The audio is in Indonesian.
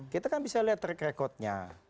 kita kan bisa lihat track recordnya